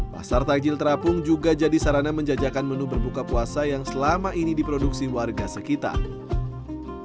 pasar takjil terapung juga jadi sarana menjajakan menu berbuka puasa yang selama ini diproduksi warga sekitar